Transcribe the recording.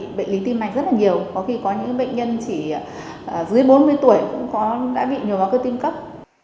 có khi có những bệnh nhân chỉ dưới bốn mươi tuổi cũng đã bị nhiều bác cơ tim cấp